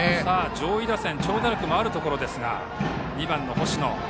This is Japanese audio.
上位打線長打力のあるところですが打者は２番の星野。